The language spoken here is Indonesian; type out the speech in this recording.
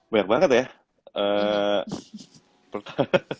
banyak banget ya